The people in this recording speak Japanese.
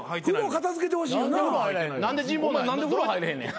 何で風呂入れへんねん。